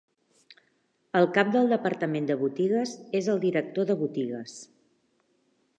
El cap del departament de botigues es el director de botigues.